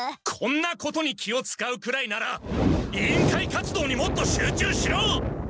こんなことに気をつかうくらいなら委員会活動にもっと集中しろ！